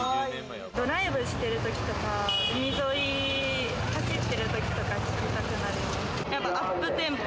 ドライブしてるときとか、海沿い走ってるときとかに聴きたくなる。